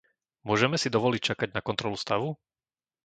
Môžeme si dovoliť čakať na kontrolu stavu?